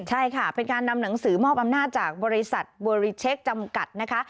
ใช่ค่ะเป็นการนำหนังสือมอบอำนาจจากบริษัทเวอริเช็คจำกัดนะคะ